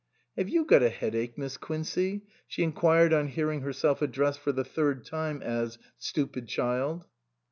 "Have you got a headache Miss Quincey?" she inquired on hearing herself addressed for the third time as " Stupid child